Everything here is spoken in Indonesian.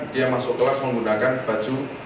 dia masuk kelas menggunakan baju